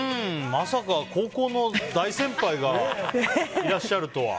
まさか、高校の大先輩がいらっしゃるとは。